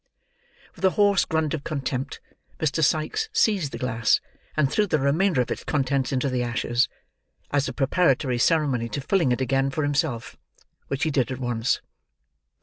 With a hoarse grunt of contempt, Mr. Sikes seized the glass, and threw the remainder of its contents into the ashes: as a preparatory ceremony to filling it again for himself: which he did at once.